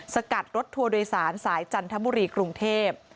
สกัดรถทัวร์โดยสารสายจันทบุรีกรุงเทพ